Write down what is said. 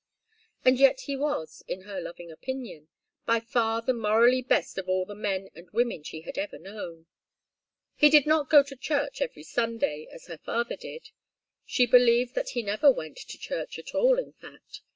And yet he was, in her loving opinion, by far the morally best of all the men and women she had ever known. He did not go to church every Sunday, as her father did. She believed that he never went to church at all, in fact.